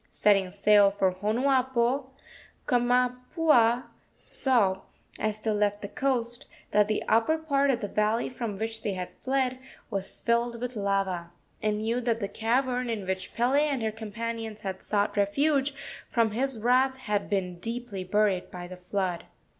Setting sail for Honuapo, Kamapuaa saw, as they left the coast, that the upper part of the valley from which they had fled was filled with lava, and knew that the cavern in which Pele and her companions had sought refuge from his wrath had been deeply buried by the flood.